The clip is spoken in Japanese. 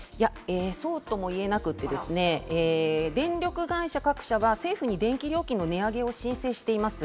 そうとも言えなくてですね、電力会社各社は政府に電気料金の値上げを申請しています。